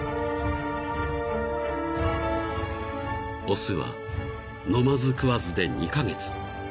［雄は飲まず食わずで２カ月］